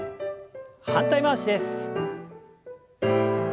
反対回しです。